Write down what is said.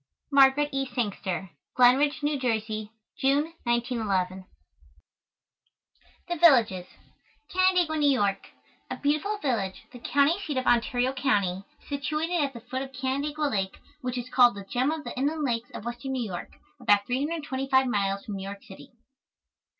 Margaret E. Sangster. Glen Ridge, New Jersey, June, 1911. THE VILLAGES CANANDAIGUA, NEW YORK. A beautiful village, the county seat of Ontario County, situated at the foot of Canandaigua Lake, which is called "the gem of the inland lakes" of Western New York, about 325 miles from New York city.